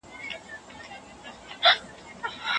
شپږ تر پنځو ډېر دي.